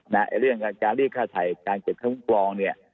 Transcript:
ในเรื่องการรีดค่าถ่ายการเก็บเข้ารุ่งปรอง